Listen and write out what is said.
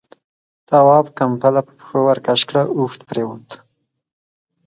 تواب ، کمپله پر پښو ورکش کړه، اوږد پرېووت.